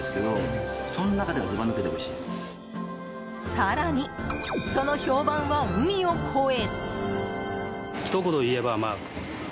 更に、その評判は海を越え。